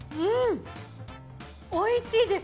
おいしいです。